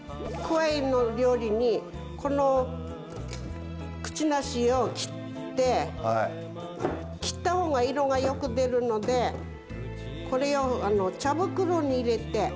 くわいの料理にこのくちなしを切って切った方が色がよく出るのでこれを茶袋に入れて。